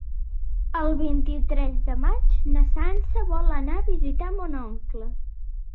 El vint-i-tres de maig na Sança vol anar a visitar mon oncle.